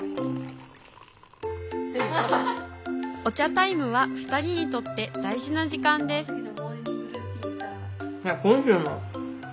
お茶タイムは２人にとって大事な時間です